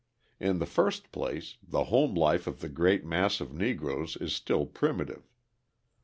In the first place, the home life of the great mass of Negroes is still primitive.